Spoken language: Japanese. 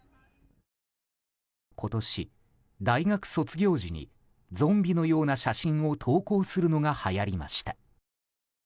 今年、大学卒業時にゾンビのような写真を投稿するのがはやりました。